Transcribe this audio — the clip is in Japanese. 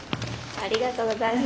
ありがとうございます。